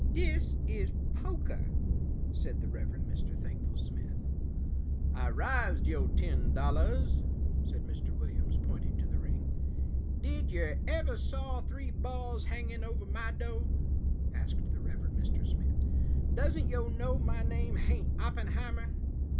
"Dis is pokah," said the Reverend Mr. Thankful Smith. "I rised yo' ten dollahs," said Mr. Williams, pointing to the ring. "Did yer ever saw three balls hangin' over my do'?" asked the Reverend Mr. Smith. "Doesn't yo' know my name hain't Oppenheimer?"